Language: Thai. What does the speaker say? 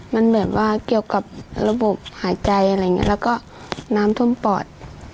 มันแบบว่าเกี่ยวกับระบบหายใจอะไรอย่างนี้แล้วก็น้ำท่วมปอด